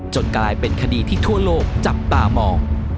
กลายเป็นคดีที่ทั่วโลกจับตามอง